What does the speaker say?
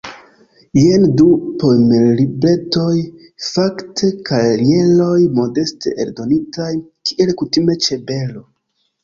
Jen du poemlibretoj, fakte kajeroj modeste eldonitaj, kiel kutime ĉe Bero.